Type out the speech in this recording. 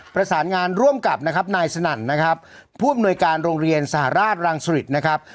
ประสานงานร่วมกับนะครับนายสนั่นนะครับผู้อำนวยการโรงเรียนสหราชรังสริตนะครับ